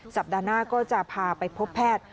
สัปดาห์หน้าก็จะพาไปพบแพทย์